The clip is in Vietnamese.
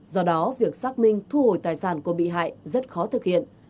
do đó việc xác minh thu hồi tài sản của bị hại rất khó thực hiện